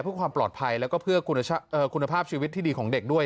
เพื่อความปลอดภัยแล้วก็เพื่อคุณภาพชีวิตที่ดีของเด็กด้วย